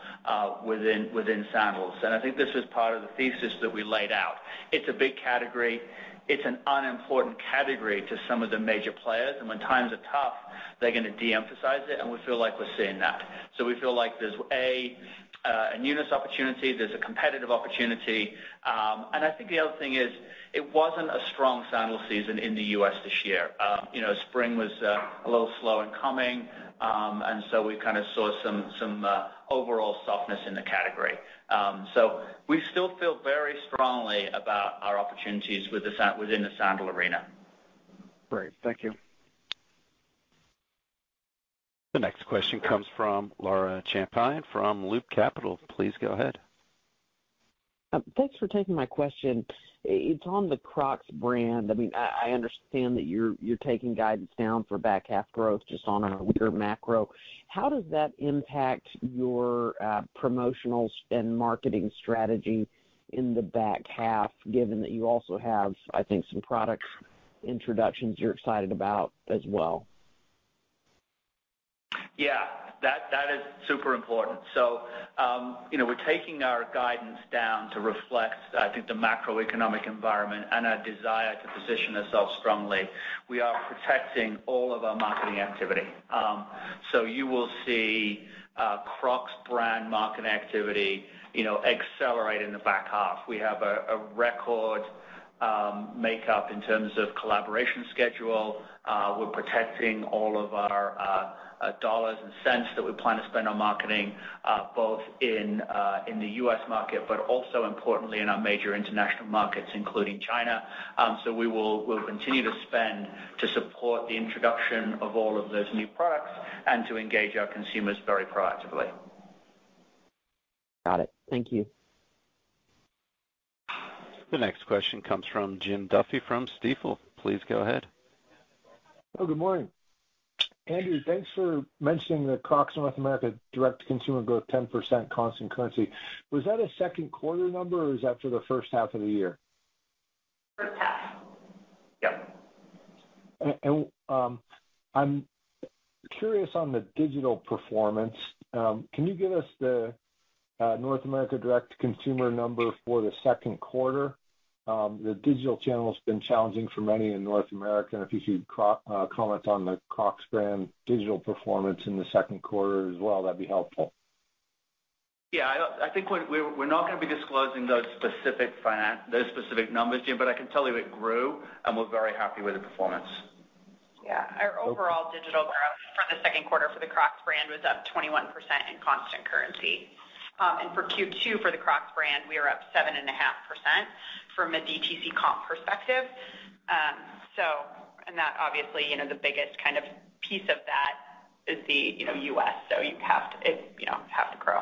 within sandals. I think this is part of the thesis that we laid out. It's a big category. It's an unimportant category to some of the major players, and when times are tough, they're gonna de-emphasize it, and we feel like we're seeing that. We feel like there's a newness opportunity, there's a competitive opportunity. I think the other thing is it wasn't a strong sandal season in the U.S. this year. You know, spring was a little slow in coming. We kind of saw some overall softness in the category. We still feel very strongly about our opportunities within the sandal arena. Great. Thank you. The next question comes from Laura Champine from Loop Capital. Please go ahead. Thanks for taking my question. It's on the Crocs brand. I mean, I understand that you're taking guidance down for back half growth just on a weaker macro. How does that impact your promotional spend marketing strategy in the back half, given that you also have, I think, some product introductions you're excited about as well? Yeah. That is super important. We're taking our guidance down to reflect, I think, the macroeconomic environment and our desire to position ourselves strongly. We are protecting all of our marketing activity. You will see Crocs brand marketing activity, you know, accelerate in the back half. We have a record makeup in terms of collaboration schedule. We're protecting all of our dollars and cents that we plan to spend on marketing both in the U.S. market, but also importantly in our major international markets, including China. We'll continue to spend to support the introduction of all of those new products and to engage our consumers very proactively. Got it. Thank you. The next question comes from Jim Duffy from Stifel. Please go ahead. Oh, good morning. Andrew, thanks for mentioning that Crocs in North America direct to consumer growth 10% constant currency. Was that a second quarter number, or is that for the first half of the year? First half. I'm curious on the digital performance. Can you give us the North America direct to consumer number for the second quarter? The digital channel's been challenging for many in North America, and if you could comment on the Crocs brand digital performance in the second quarter as well, that'd be helpful. Yeah, I think we're not gonna be disclosing those specific numbers, Jim, but I can tell you it grew, and we're very happy with the performance. Yeah. Our overall digital growth for the second quarter for the Crocs brand was up 21% in constant currency. For Q2 for the Crocs brand, we are up 7.5% from a DTC comp perspective. That obviously, you know, the biggest kind of piece of that is the, you know, U.S., so you have to grow.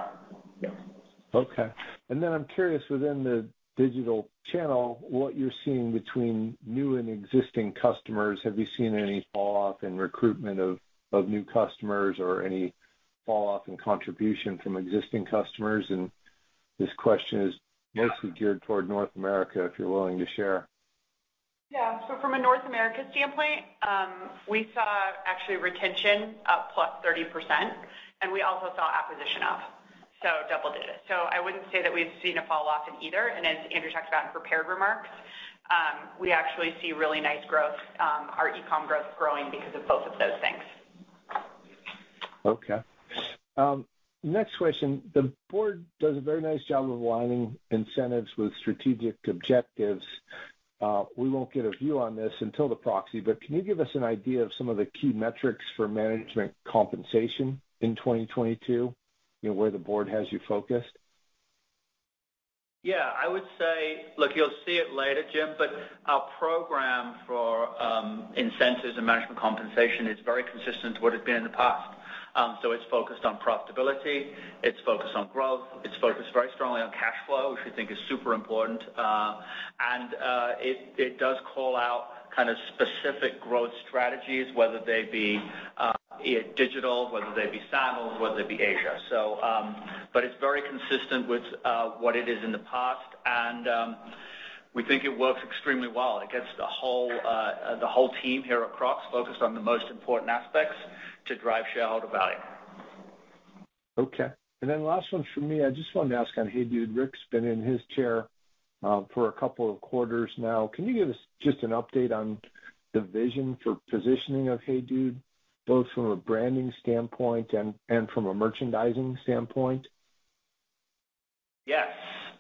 Okay. Then I'm curious, within the digital channel, what you're seeing between new and existing customers. Have you seen any fall off in recruitment of new customers or any fall off in contribution from existing customers? This question is mostly geared toward North America, if you're willing to share. Yeah. From a North America standpoint, we saw actually retention up +30%, and we also saw acquisition up, so double digits. I wouldn't say that we've seen a fall off in either. As Andrew talked about in prepared remarks, we actually see really nice growth, our e-com growth growing because of both of those things. Okay. Next question. The board does a very nice job of aligning incentives with strategic objectives. We won't get a view on this until the proxy, but can you give us an idea of some of the key metrics for management compensation in 2022? You know, where the board has you focused? Yeah. I would say, look, you'll see it later, Jim, but our program, incentives and management compensation is very consistent to what it's been in the past. It's focused on profitability, it's focused on growth, it's focused very strongly on cash flow, which we think is super important. It does call out kind of specific growth strategies, whether they be digital, whether they be sandals, whether they be Asia. It's very consistent with what it is in the past, and we think it works extremely well. It gets the whole team here at Crocs focused on the most important aspects to drive shareholder value. Okay. Last one from me. I just wanted to ask on HEYDUDE, Rick's, been in his chair for a couple of quarters now. Can you give us just an update on the vision for positioning of HEYDUDE, both from a branding standpoint and from a merchandising standpoint? Yes.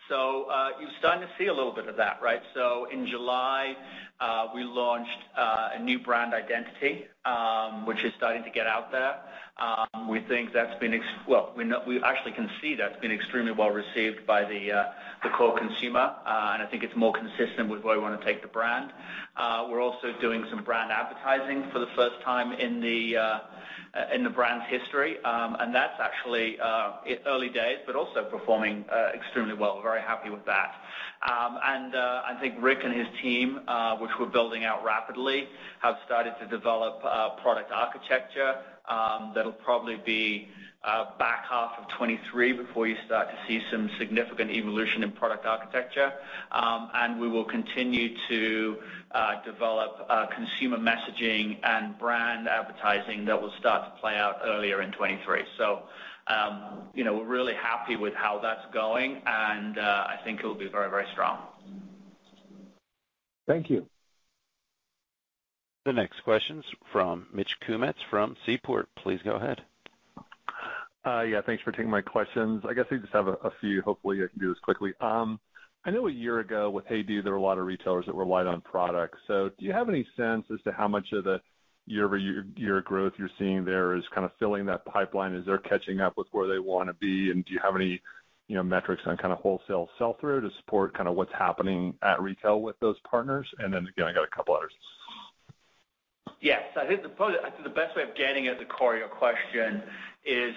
You're starting to see a little bit of that, right? In July, we launched a new brand identity, which is starting to get out there. We actually can see that's been extremely well received by the core consumer. I think it's more consistent with where we wanna take the brand. We're also doing some brand advertising for the first time in the brand's history. That's actually it's early days, but also performing extremely well. Very happy with that. I think Rick and his team, which we're building out rapidly, have started to develop product architecture. That'll probably be back half of 2023 before you start to see some significant evolution in product architecture. We will continue to develop consumer messaging and brand advertising that will start to play out earlier in 2023. You know, we're really happy with how that's going, and I think it'll be very, very strong. Thank you. The next question's from Mitch Kummetz from Seaport. Please go ahead. Yeah, thanks for taking my questions. I guess I just have a few. Hopefully I can do this quickly. I know a year ago with HEYDUDE, there were a lot of retailers that were light on products. Do you have any sense as to how much of the year-over-year growth you're seeing there is kinda filling that pipeline as they're catching up with where they wanna be? And do you have any, you know, metrics on kinda wholesale sell-through to support kinda what's happening at retail with those partners? And then again, I got a couple others. Yes. I think the best way of getting at the core of your question is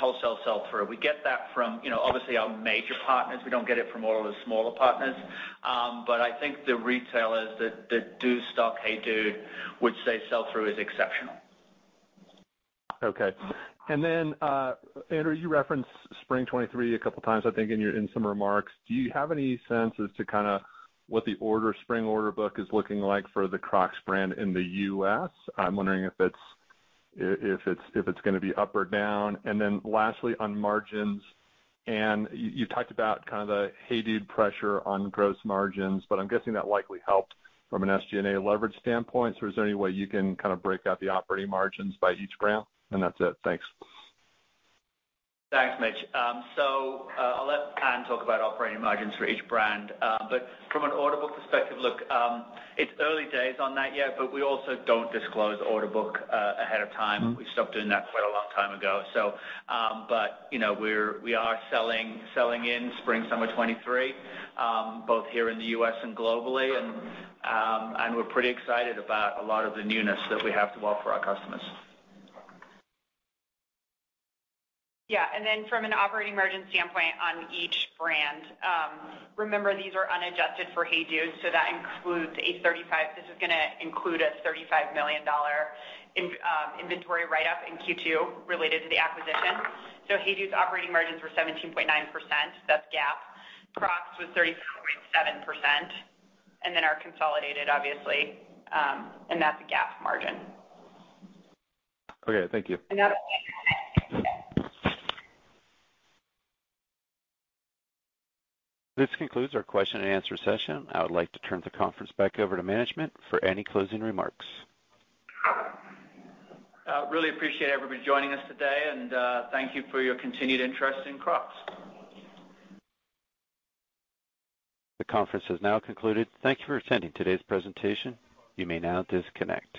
wholesale sell-through. We get that from, you know, obviously our major partners. We don't get it from all of the smaller partners. But I think the retailers that do stock HEYDUDE would say sell-through is exceptional. Okay. Andrew, you referenced spring 2023 a couple times, I think, in some remarks. Do you have any sense as to kinda what the spring order book is looking like for the Crocs brand in the U.S.? I'm wondering if it's gonna be up or down. Lastly, on margins. You talked about kinda the HEYDUDE pressure on gross margins, but I'm guessing that likely helped from an SG&A leverage standpoint. Is there any way you can kinda break out the operating margins by each brand? That's it. Thanks. Thanks, Mitch. I'll let Anne talk about operating margins for each brand. From an order book perspective, look, it's early days on that yet, but we also don't disclose order book ahead of time. We stopped doing that quite a long time ago. You know, we are selling in spring/summer 2023 both here in the U.S. and globally. We're pretty excited about a lot of the newness that we have to offer our customers. Yeah. From an operating margin standpoint on each brand, remember these are unadjusted for HEYDUDE, so that includes a $35 million inventory write-up in Q2 related to the acquisition. HEYDUDE's operating margins were 17.9%, that's GAAP. Crocs was 34.7%. Our consolidated obviously, and that's a GAAP margin. Okay, thank you. And that This concludes our question and answer session. I would like to turn the conference back over to management for any closing remarks. Really appreciate everybody joining us today, and thank you for your continued interest in Crocs. The conference has now concluded. Thank you for attending today's presentation. You may now disconnect.